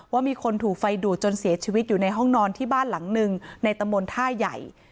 ว่ามีคนถูกไฟดูดจนเสียชีวิตอยู่ในห้องนอนที่บ้านหลังหนึ่งในตำบลท่าใหญ่